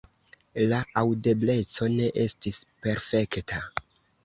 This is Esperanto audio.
La aŭdebleco ne estis perfekta.